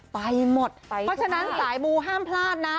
ไปหมดเพราะฉะนั้นสายมูห้ามพลาดนะ